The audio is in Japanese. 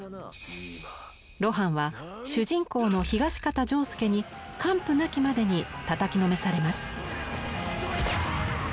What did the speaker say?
露伴は主人公の東方仗助に完膚なきまでにたたきのめされます。